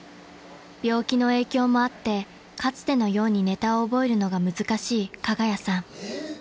病気の影響もあってかつてのようにネタを覚えるのが難しい加賀谷さん］